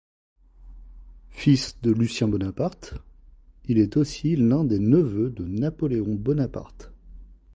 Fils de Lucien Bonaparte, il est aussi l'un des neveux de Napoléon Bonaparte.